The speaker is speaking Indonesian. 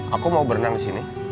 aku mau berenang disini